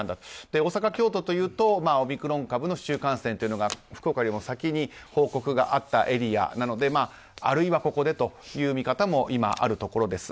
大阪、京都というとオミクロン株の市中感染が福岡よりも先に報告があったエリアなのであるいは、ここでという見方も今あるところです。